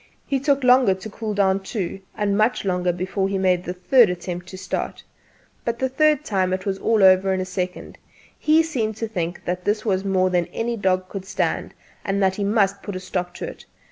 He took longer to cool down, too, and much longer before he made the third attempt to start. But the third time it was all over in a second. He seemed to think that this was more than any dog could stand, and that he must put a stop to it.